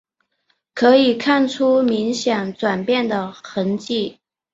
可以看出明显转变的痕迹